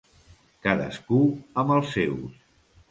Cadascú amb els seus.